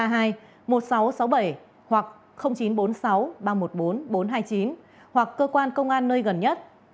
sáu mươi chín hai trăm ba mươi hai một nghìn sáu trăm sáu mươi bảy hoặc chín trăm bốn mươi sáu ba trăm một mươi bốn bốn trăm hai mươi chín hoặc cơ quan công an nơi gần nhất